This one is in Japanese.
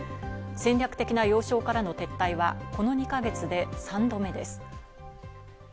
戦略的な要衝からの撤退はこの２か月で３度目です。